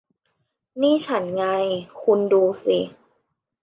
นี่ฉันไง คุณดูสิ